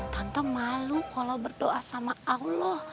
tanpa malu kalau berdoa sama allah